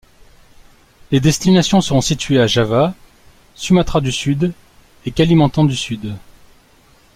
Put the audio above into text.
Les destinations seront situées à Java, Sumatra du Sud et Kalimantan du Sud.